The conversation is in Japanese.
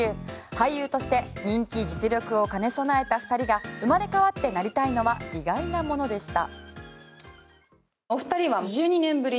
俳優として人気、実力を兼ね備えた２人が生まれ変わってなりたいものは意外なものでした。